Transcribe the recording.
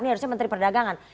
ini harusnya menteri perdagangan